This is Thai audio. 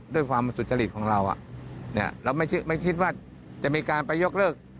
ด้วยความสุจริตของเราเราไม่คิดว่าจะมีการไปยกเลิก